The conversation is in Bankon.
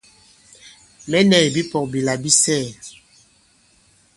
Mɛ̌ nɛ̄ kì bipɔ̄k bila bi sɛ̀ɛ̀.